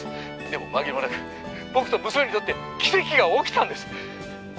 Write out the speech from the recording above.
☎でも紛れもなく僕と娘にとって奇跡が起きたんです